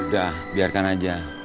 udah biarkan aja